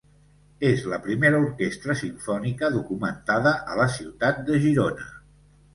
És la primera orquestra simfònica documentada a la ciutat de Girona.